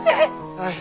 はい。